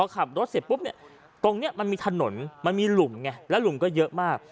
พอขับรถเสร็จตรงนี้มันมีถนนมันมีหลุมก็เยอะมาก